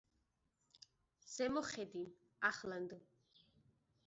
ზემო ხედი, ახლანდ.